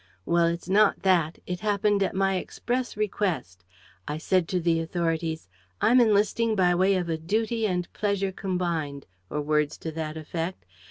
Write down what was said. Well, it's not that: it happened at my express request. I said to the authorities, 'I'm enlisting by way of a duty and pleasure combined,' or words to that effect.